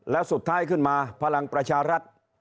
แล้วสุดท้ายขึ้นมาพลังประชารัฐ